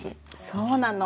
そうなの。